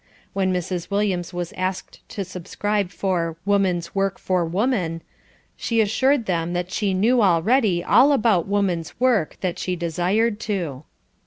When Mrs. Williams was asked to subscribe for "Woman's Work for Woman," she assured them that she knew already all about woman's work that she desired to.